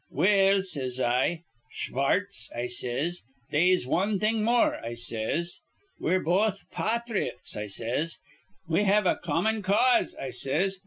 'Well,' says I, 'Schwartz,' I says, 'they'se wan thing more,' I says. 'We're both pathrites,' I says. 'We have a common cause,' I says.